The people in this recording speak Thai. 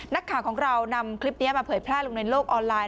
นักข่าวของเรานำคลิปนี้มาเผยแพร่ลงในโลกออนไลน